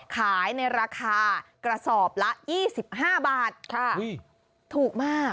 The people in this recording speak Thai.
ขายในราคากระสอบละ๒๕บาทถูกมาก